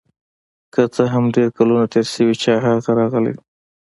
که څه هم ډیر کلونه تیر شوي چې هغه راغلی و